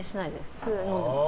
普通に飲んでます。